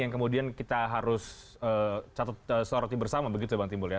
yang kemudian kita harus catup bersama begitu bang timbul ya